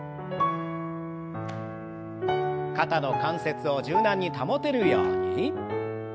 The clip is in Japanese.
肩の関節を柔軟に保てるように。